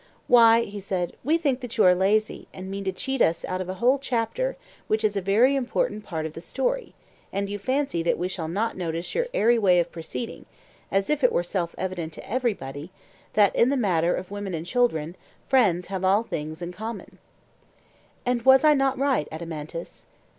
Why, he said, we think that you are lazy, and mean to cheat us out of a whole chapter which is a very important part of the story; and you fancy that we shall not notice your airy way of proceeding; as if it were self evident to everybody, that in the matter of women and children 'friends have all things in common.' And was I not right, Adeimantus?